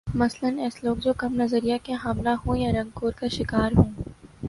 مثلا ایس لوگ جو کم نظریہ کے حاملہ ہوں یا رنگ کور کا شکار ہوں